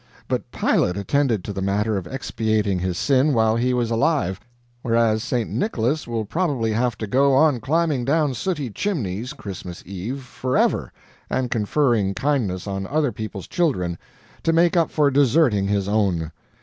But Pilate attended to the matter of expiating his sin while he was alive, whereas St. Nicholas will probably have to go on climbing down sooty chimneys, Christmas eve, forever, and conferring kindness on other people's children, to make up for deserting his own.